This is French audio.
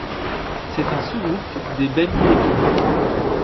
C'est un sous-groupe des Bamilékés.